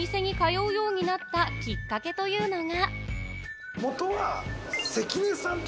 そもそも山里がこのお店に通うようになったきっかけというのが。